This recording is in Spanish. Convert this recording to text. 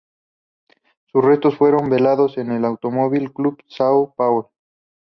Sus restos fueron velados en el Automóvil Club de São Paulo.